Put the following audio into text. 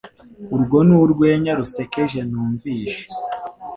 Urwo ni urwenya rusekeje numvise